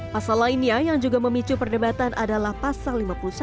pasal lainnya yang juga memicu perdebatan adalah pasal lima puluh satu